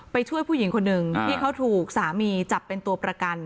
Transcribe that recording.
ช่วยผู้หญิงคนหนึ่งที่เขาถูกสามีจับเป็นตัวประกัน